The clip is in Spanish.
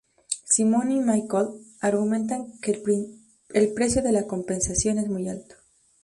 Simon y Michael argumentan que el precio de la compensación es muy alto.